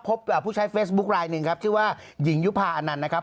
ผู้ใช้เฟซบุ๊คลายหนึ่งครับชื่อว่าหญิงยุภาอนันต์นะครับ